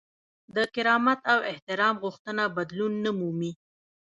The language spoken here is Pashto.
د کرامت او احترام غوښتنه بدلون نه مومي.